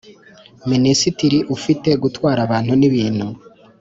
Minisitiri ufite gutwara abantu n ibintu